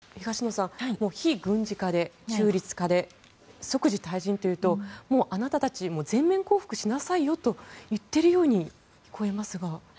この説明を聞いていると東野さん、非軍事化で中立化で即時退陣というともう、あなたたち全面降伏しなさいよと言ってるように聞こえますが。